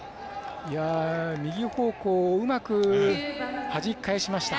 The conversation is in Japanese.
右方向をうまくはじき返しました。